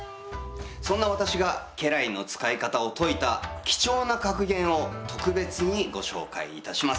そんな私が家来の使い方を説いた貴重な格言を特別にご紹介いたします。